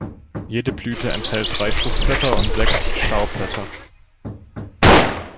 Jede Blüte enthält drei Fruchtblätter und sechst Staubblätter.